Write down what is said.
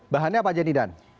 bahannya apa aja nih dan